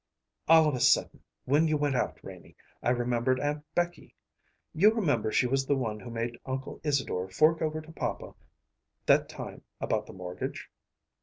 "All of a sudden, when you went out, Renie, I remembered Aunt Becky. You remember she was the one who made Uncle Isadore fork over to papa that time about the mortgage?"